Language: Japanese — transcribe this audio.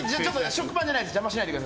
食パンじゃないです。